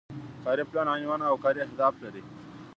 کاري پلان عنوان او کاري اهداف لري.